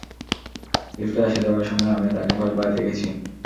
লিফটে আসা-যাওয়ার সময় আমি তাকে কয়েকবার দেখেছি।